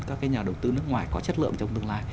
các nhà đầu tư nước ngoài có chất lượng trong tương lai